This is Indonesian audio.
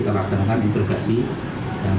ternyata tersangka berusaha melarikan diri